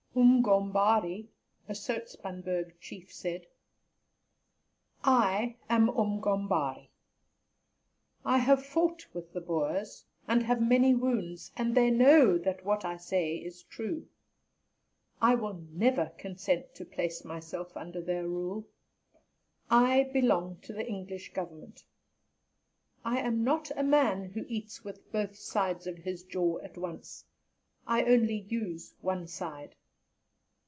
Umgombarie, a Zoutpansberg Chief, said: "I am Umgombarie. I have fought with the Boers, and have many wounds, and they know that what I say is true. I will never consent to place myself under their rule. I belong to the English Government. I am not a man who eats with both sides of his jaw at once; I only use one side.